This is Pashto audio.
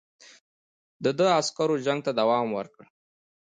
د ده عسکرو جنګ ته دوام ورکړ.